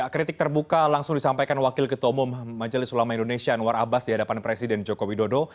kritik terbuka langsung disampaikan wakil ketomong majelis ulama indonesia anwar abbas di hadapan presiden jokowi dodo